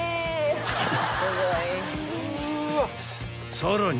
［さらに］